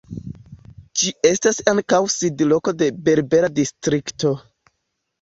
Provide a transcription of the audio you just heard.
Ĝi estas ankaŭ sidloko de "Berbera Distrikto".